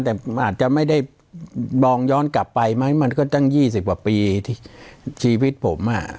แต่มันอาจจะไม่ได้มองย้อนกลับไปไหมมันก็ตั้ง๒๐กว่าปีที่ชีวิตผมอ่ะ